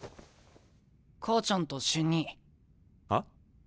母ちゃんと瞬兄。は？